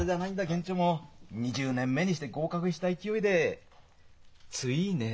げんちょも２０年目にして合格した勢いでついね。